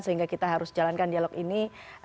sehingga kita harus jalankan dialog ini